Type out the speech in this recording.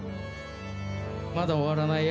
まだ終わらないよ